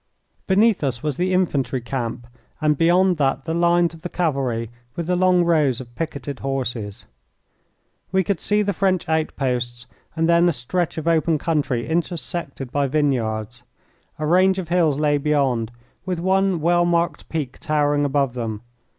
Beneath us was the infantry camp, and beyond that the lines of the cavalry with the long rows of picketed horses. We could see the French outposts, and then a stretch of open country, intersected by vineyards. A range of hills lay beyond, with one well marked peak towering above them.